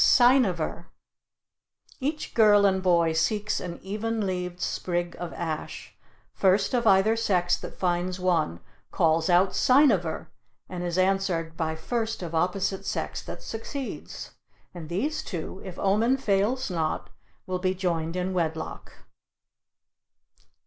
CYNIVER Each girl and boy seeks an even leaved sprig of ash; first of either sex that finds one calls out cyniver, and is answered by first of opposite sex that succeeds; and these two, if omen fails not, will be joined in wedlock.